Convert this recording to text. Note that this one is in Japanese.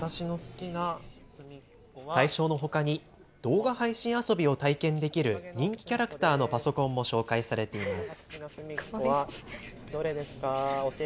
大賞のほかに動画配信遊びを体験できる人気キャラクターのパソコンも紹介されています。